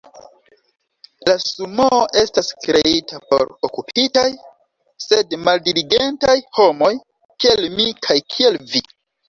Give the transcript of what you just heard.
La Sumoo estas kreita por okupitaj, sed maldiligentaj homoj, kiel mi kaj kiel vi.